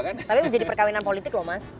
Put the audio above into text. tapi menjadi perkawinan politik loh mas